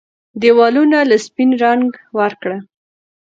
ديوالونو له سپين رنګ ورکړه